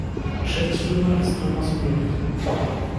Geschäftsführer ist Thomas Ulrich.